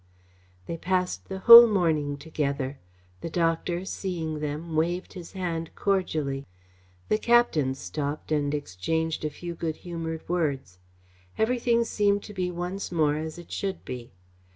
They passed the whole morning together. The doctor, seeing them, waved his hand cordially. The captain stopped and exchanged a few good humoured words. Everything seemed to be once more as it should be.